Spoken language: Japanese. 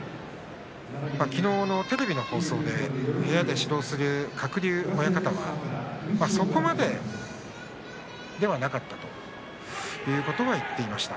昨日のテレビの放送で部屋で指導する鶴竜親方がそこまでではなかったということは言っていました。